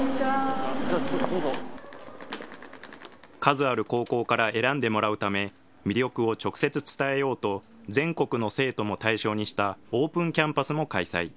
数ある高校から選んでもらうため、魅力を直接伝えようと、全国の生徒も対象にしたオープンキャンパスも開催。